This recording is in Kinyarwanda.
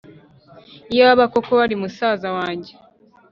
Iyaba koko wari musaza wanjye,